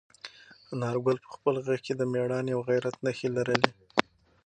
انارګل په خپل غږ کې د میړانې او غیرت نښې لرلې.